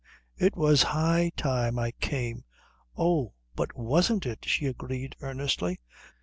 It was high time I came." "Oh, but wasn't it," she agreed earnestly.